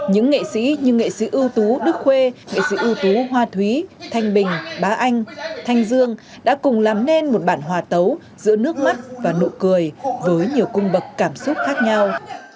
những nghệ sĩ như nghệ sĩ ưu tú đức khuê nghệ sĩ ưu tú hoa thúy thanh bình bá anh thanh dương đã cùng làm nên một bản hòa tấu giữa nước mắt và nụ cười với nhiều cung bậc cảm xúc khác nhau